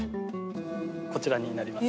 こちらになります。